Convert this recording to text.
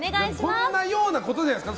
こんなようなことじゃないですか。